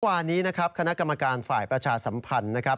วันนี้นะครับคณะกรรมการฝ่ายประชาสัมพันธ์นะครับ